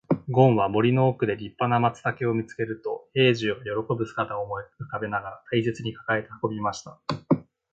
ごんは森の奥で立派な松茸を見つけると、兵十が喜ぶ姿を思い浮かべながら大切に抱えて運びました。